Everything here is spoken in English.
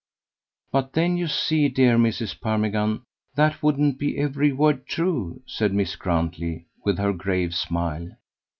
"But then you see, dear Mrs. Parmigan, that wouldn't be every word true," said Miss Grantley with her grave smile.